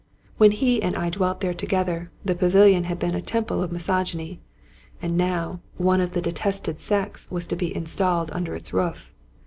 When he and I dwelt there together, the pavilion had been a temple of misogyny. And now, one of the detested sex was to be installed under its roof.